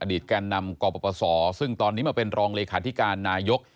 แก่นำกปศซึ่งตอนนี้มาเป็นรองเลขาธิการนายก